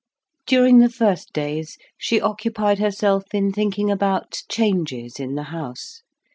During the first days she occupied herself in thinking about changes in the house.